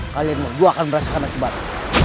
kalian berdua akan merasakan nasib aku